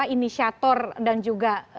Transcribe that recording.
inisiator dan juga